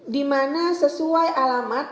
dimana sesuai alamat